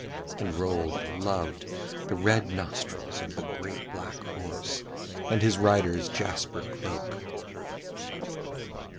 And Rold loved the red nostrils of the great black horse and his rider's jasper cloak.